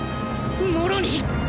もろに！